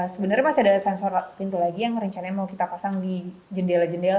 sebenarnya masih ada sensor pintu lagi yang rencananya mau kita pasang di jendela jendela